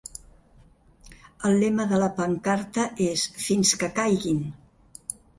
El lema de la pancarta és Fins que caiguin!